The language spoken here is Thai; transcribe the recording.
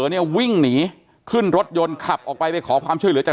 เนี่ยวิ่งหนีขึ้นรถยนต์ขับออกไปไปขอความช่วยเหลือจาก